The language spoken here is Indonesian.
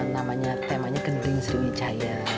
namanya temanya gengkring sriwijaya